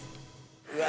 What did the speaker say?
うわ